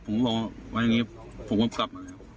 ผมก็เอาไว้อย่างนี้ผมก็กลับมาครับ